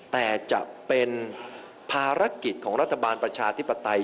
แต่จะเป็นภารกิจของรัฐบาลประชาธิปไตย